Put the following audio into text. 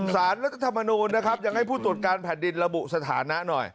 สารรัฐธรรมนูลนะครับยังให้ผู้ตรวจการแผ่นดินระบุสถานะหน่อย